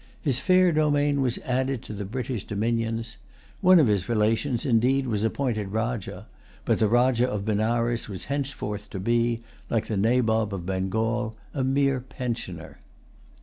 His fair domain was added to the British dominions. One of his relations indeed was appointed rajah; but the Rajah of Benares was henceforth to be, like the Nabob of Bengal, a mere pensioner.